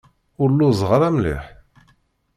Ur lluẓeɣ ara mliḥ.